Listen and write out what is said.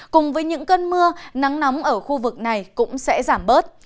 cùng với những cơn mưa nắng nóng ở khu vực này cũng sẽ giảm bớt